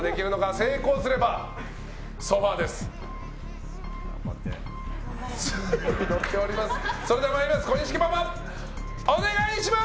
成功すればソファです。